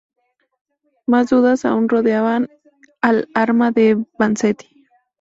Más dudas aún rodeaban al arma de Vanzetti.